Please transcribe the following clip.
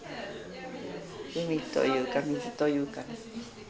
海というか水というかね。